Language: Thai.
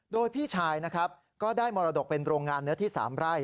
โดยพี่ชายนะครับก็ได้มรดกเป็นโรงงานเนื้อที่๓ไร่